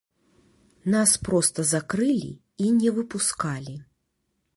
Нас проста закрылі і не выпускалі.